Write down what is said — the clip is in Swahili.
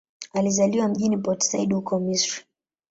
Alizaliwa mjini Port Said, huko Misri.